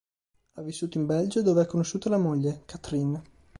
Ha vissuto in Belgio, dove ha conosciuto la moglie, Kathryn.